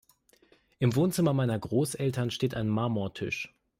Im Wohnzimmer meiner Großeltern steht ein Marmortisch.